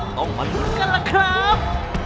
ต้องมาดูกันล่ะครับ